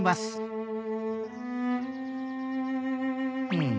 うん。